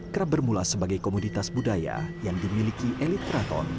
kerap bermula sebagai komoditas budaya yang dimiliki elit keraton